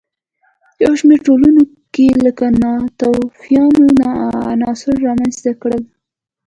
یو شمېر ټولنو لکه ناتوفیانو عناصر رامنځته کړل.